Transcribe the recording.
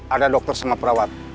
ada dokter sama perawat